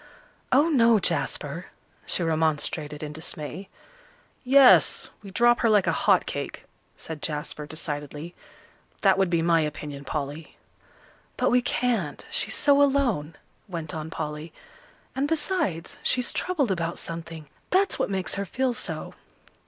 "Oh, no, Jasper," she remonstrated in dismay. "Yes, we drop her like a hot cake," said Jasper, decidedly; "that would be my opinion, Polly." "But we can't, she's so alone," went on Polly; "and, besides, she's troubled about something. That's what makes her feel so."